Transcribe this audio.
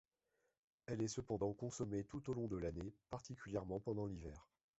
Elle est cependant consommée tout au long de l'année, particulièrement pendant l'hiver.